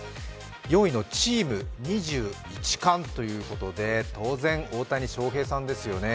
４位のチーム２１冠ということで、当然、大谷翔平さんですよね。